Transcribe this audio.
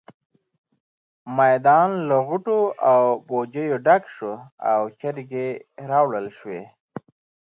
میدان له غوټو او بوجيو ډک شو او چرګې راوړل شوې.